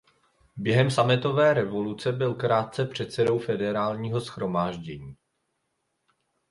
Během sametové revoluce byl krátce předsedou Federálního shromáždění.